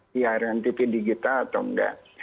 siaran tv digital atau enggak